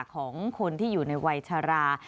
ของคนที่อยู่ในวัยชรา